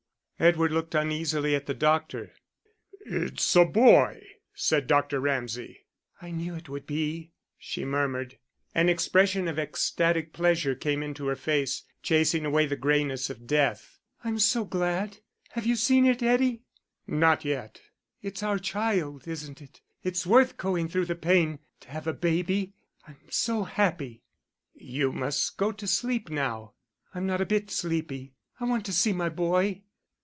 Edward looked uneasily at the doctor. "It's a boy," said Dr. Ramsay. "I knew it would be," she murmured. An expression of ecstatic pleasure came into her face, chasing away the grayness of death. "I'm so glad. Have you seen it, Eddie?" "Not yet." "It's our child, isn't it? It's worth going through the pain to have a baby. I'm so happy." "You must go to sleep now." "I'm not a bit sleepy and I want to see my boy."